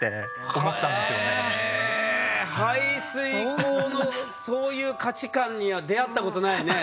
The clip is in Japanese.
排水溝のそういう価値観には出会ったことないね。